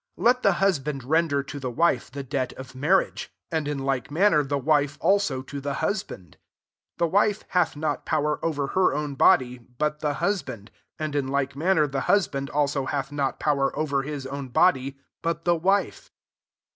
3 Let the husband render to the wife the debt of marriages and in like manner the wife also to the husband. 4 The wife hath not power over her own body, but the husband: and in like manner the husband also hath not power over his own body, but the wife.